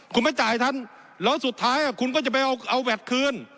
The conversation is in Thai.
คุณไม่จ่ายท่านแล้วสุดท้ายคุณก็จะไปเอาแวดคืน